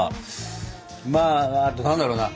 まああと何だろうな。